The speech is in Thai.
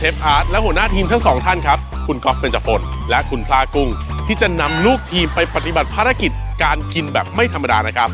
โอ้โฮนี่ลงโทษแรงไปนะเนี่ย